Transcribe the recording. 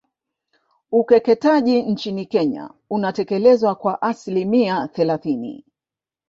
Ukeketaji nchini Kenya unatekelezwa kwa asilimia thelathini